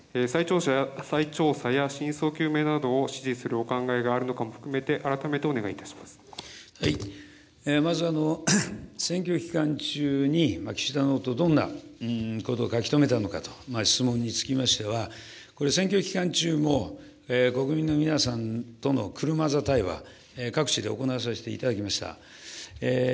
再調査や真相究明などを指示するお考えがあるのかも含めて、改めまず、選挙期間中に岸田ノート、どんなことを書き留めたのかという質問につきましては、これ、選挙期間中も国民の皆さんとの車座対話、各地で行わさせていただきました。